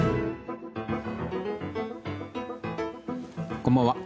こんばんは。